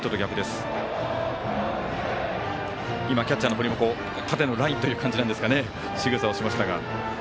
キャッチャーの堀も縦のラインというようなしぐさをしましたが。